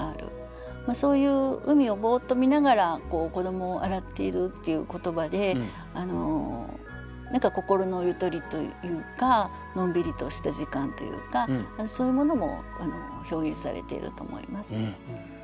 そういう海をボーッと見ながら子どもを洗っているっていう言葉で何か心のゆとりというかのんびりとした時間というかそういうものも表現されていると思います。